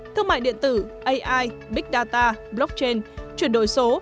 thương mại điện tử ai big data blockchain chuyển đổi số